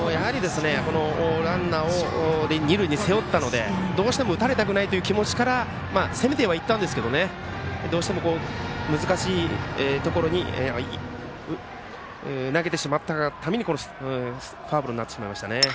ランナーを二塁に背負ったのでどうしても打たれたくない気持ちから攻めてはいったんですけどどうしても難しいところに投げてしまったがためにフォアボールになりましたね。